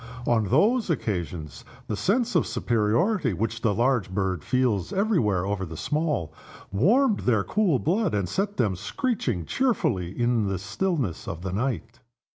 On those occasions the sense of superiority which the large bird feels every where over the small, warmed their cool blood, and set them screeching cheerfully in the stillness of the night.